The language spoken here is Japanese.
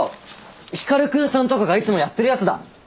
光くんさんとかがいつもやってるやつだ。